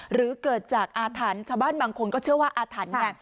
หรือเกิดจากอาทันชาวบ้านบางคนก็เชื่อว่าอาทันค่ะ